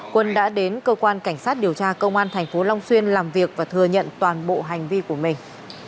quân đã đến cơ quan cảnh sát điều tra công an tp long xuyên làm việc và thừa nhận toàn bộ hành vi của mình